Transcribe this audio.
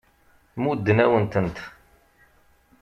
Muddent-awen-tent.